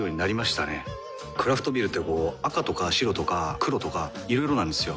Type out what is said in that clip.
クラフトビールってこう赤とか白とか黒とかいろいろなんですよ。